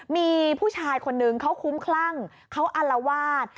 มีผู้ชายคนนึงเขาคุ้มคลั่งเขาอัลวาด